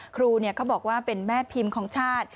ครูเขาบอกว่าเป็นแม่พิมพ์ของชาติ